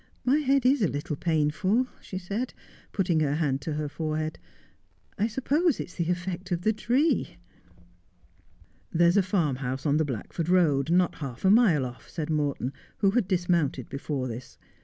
My head is a little painful,' she said, putting her hand to her forehead. ' I suppose it's the effect of the tree.' ' There's a farmhouse on the Blackford Eoad, not half a mile off,' said Morton, who had dismounted before this.